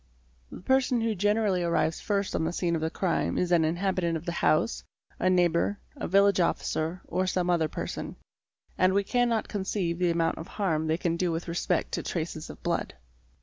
The person who generally arrives first on the scene of the crime is an inhabitant of the house, a neighbour, a village officer, or some other person, and we cannot conceive the amount of harm they can do with respect to traces of blood.